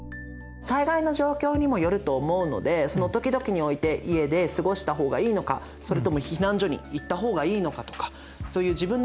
災害の状況にもよると思うのでその時々において家で過ごしたほうがいいのかそれとも避難所に行ったほうがいいのかとかそういう和田さん